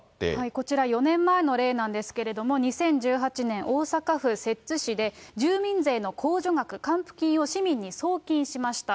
こちら、４年前の例なんですけれども、２０１８年、大阪府摂津市で、住民税の控除額、還付金を市民に送金しました。